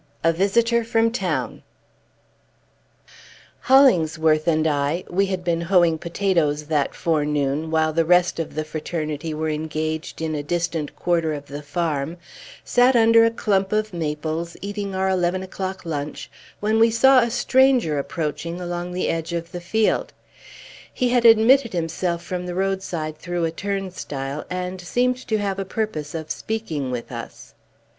X. A VISITOR FROM TOWN Hollingsworth and I we had been hoeing potatoes, that forenoon, while the rest of the fraternity were engaged in a distant quarter of the farm sat under a clump of maples, eating our eleven o'clock lunch, when we saw a stranger approaching along the edge of the field. He had admitted himself from the roadside through a turnstile, and seemed to have a purpose of speaking with us.